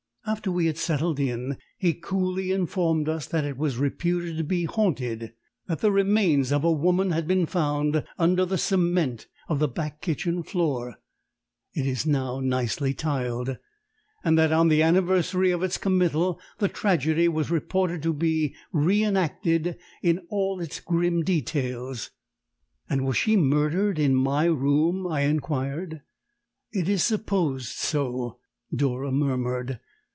"After we had settled in, he coolly informed us that it was reputed to be haunted; that the remains of a woman had been found under the cement of the back kitchen floor (it is now nicely tiled), and that on the anniversary of its committal the tragedy was reported to be re enacted in all its grim details." "And was she murdered in my room?" I inquired. "It is supposed so," Dora murmured.